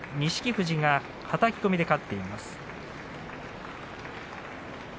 富士がはたき込みで勝っています。